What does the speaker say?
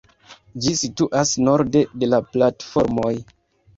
Ĝi situas norde de la platformoj.